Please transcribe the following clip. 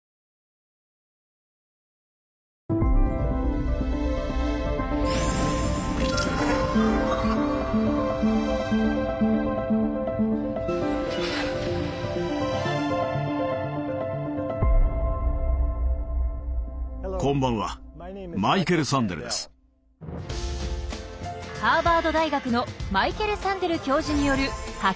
ハーバード大学のマイケル・サンデル教授による「白熱教室」。